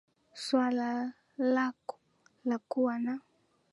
swala laku lakuwa na